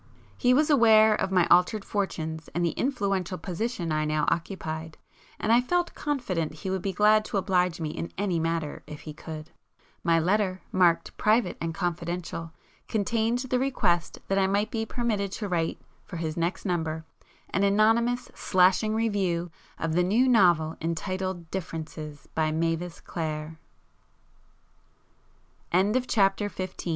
He was aware of my altered fortunes and the influential position I now occupied, and I felt confident he would be glad to oblige me in any matter if he could. My letter, marked 'private and confidential' contained the request that I might be permitted to write for his next number, an anonymous 'slashing' review of the new novel entitled 'Di